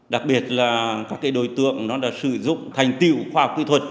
đặc biệt là các cái đối tượng nó đã sử dụng thành tiểu khoa học kỹ thuật